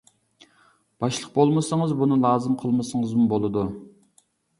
باشلىق بولمىسىڭىز بۇنى لازىم قىلمىسىڭىزمۇ بولىدۇ.